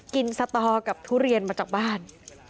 กินเสาตอกับธุเรียนมาจากบ้าน